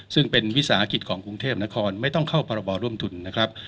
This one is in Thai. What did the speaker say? ซึ่งเป็นวิสาหกิจของกรุงเทพนครไม่ต้องเข้าพรบร่วมทุนนะครับ